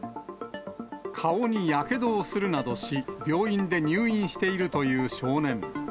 顔にやけどをするなどし、病院で入院しているという少年。